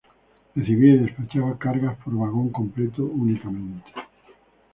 Recibía y despachaba cargas por vagón completo únicamente.